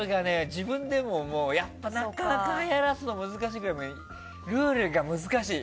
自分でもなかなか話すのも難しいけどルールが難しい。